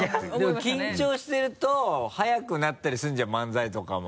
でも緊張してると早くなったりするじゃん漫才とかも。